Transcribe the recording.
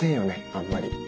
あんまり。